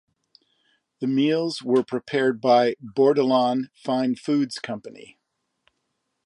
The meals were prepared by Bordelon Fine Foods Company.